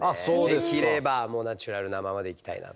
できればもうナチュラルなままでいきたいなと。